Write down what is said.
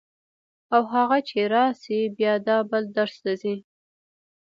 او هغه چې راشي بیا دا بل درس ته ځي.